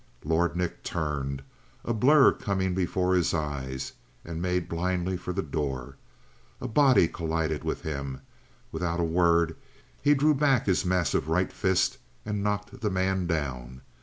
Lord Nick turned, a blur coming before his eyes, and made blindly for the door. A body collided with him; without a word he drew back his massive right fist and knocked the man down.